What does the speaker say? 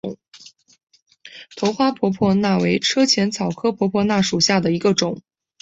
头花婆婆纳为车前草科婆婆纳属下的一个种。